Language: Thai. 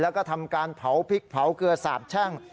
แล้วก็ทำการเผาพริกเผาเกลือสาบแช่ง